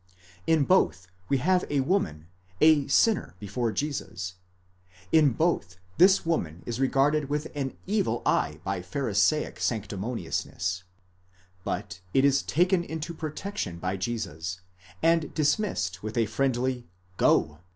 In both we have a woman, a sinner, before Jesus ; in both, this woman is regarded with an evil eye by Pharisaic sanctimoniousness, but is taken into protection by Jesus, and dismissed with a friendly πορεύου, go.